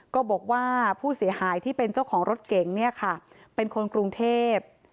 ก็บอกว่าผู้เสียหายที่เป็นเจ้าของรถเก๋งเนี่ยค่ะเป็นคนกรุงเทพ